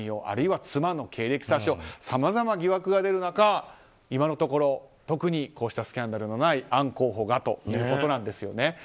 あるいは妻の経歴詐称さまざま疑惑が出る中今のところ特にこうしたスキャンダルのないアン候補がということですよね。